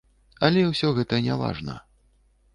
Але ўсе гэта не важна.